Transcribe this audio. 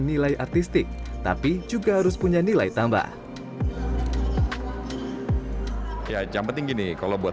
nilai artistik tapi juga harus punya nilai tambah ya yang penting gini kalau buat